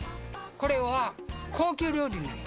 これは高級料理なんよ。